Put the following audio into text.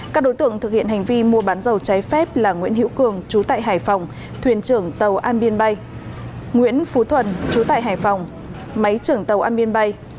các đối tượng thực hiện hành vi mua bán dầu trái phép là nguyễn hữu cường trú tại hải phòng thuyền trưởng tàu an biên bay nguyễn phú thuần chú tại hải phòng máy trưởng tàu an biên bay